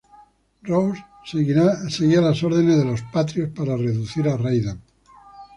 Rose seguía las órdenes de Los Patriots para seducir a Raiden.